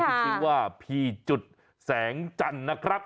ที่ชื่อว่าพี่จุดแสงจันทร์นะครับ